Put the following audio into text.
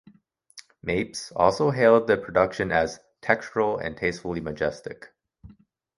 Mapes also hailed the production as "textural and tastefully majestic".